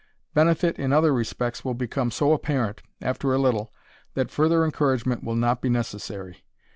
Benefit in other respects will become so apparent, after a little, that further encouragement will not be necessary.